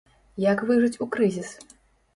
Як выжыць у крызіс?